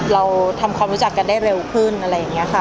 เราทำความรู้จักกันได้เร็วขึ้นอะไรอย่างนี้ค่ะ